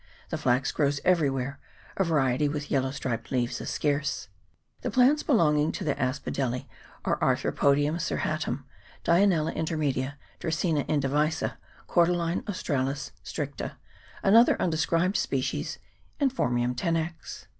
The flax grows everywhere : a variety with yellow striped leaves is scarce. The plants belonging to the Asphodelece are Arthropo dium cirrhatum, Dianella intermedia, Dracaena indivisa, Cordyline australis, strict a, another undescribed species, and Phormium tenax.